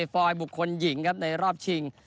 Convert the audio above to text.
ฟอยบุคคลหญิงครับในรอบชิง